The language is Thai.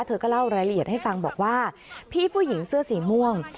เธอก็เล่ารายละเอียดให้ฟังบอกว่าพี่ผู้หญิงเสื้อสีม่วง